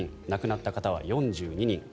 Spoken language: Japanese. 亡くなった方は４２人。